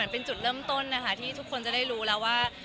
เป็นจุดเริ่มต้นนะคะที่ทุกคนจะได้รู้แล้วว่า